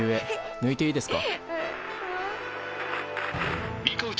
ぬいていいですか？